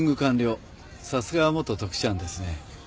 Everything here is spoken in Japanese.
さすがは元特殊班ですね。